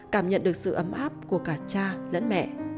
cảm nhận được sự ấm áp của cả cha lẫn mẹ